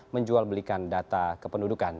menjual belikan data kependudukan